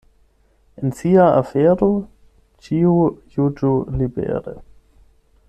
En sia afero ĉiu juĝu libere.